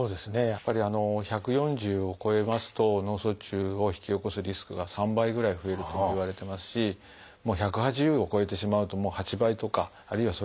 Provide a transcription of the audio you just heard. やっぱり１４０を超えますと脳卒中を引き起こすリスクが３倍ぐらい増えるといわれてますし１８０を超えてしまうと８倍とかあるいはそれ以上ともいわれています。